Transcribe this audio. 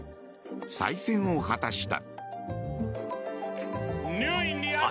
再選を果たした。